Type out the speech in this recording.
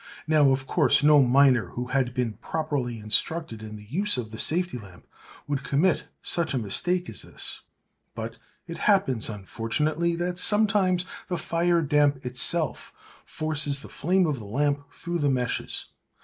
Now of course no miner who had been properly instructed in the use of the safety lamp would commit such a mistake as this. But it happens, unfortunately, that sometimes the fire damp itself forces the flame of the lamp through the meshes.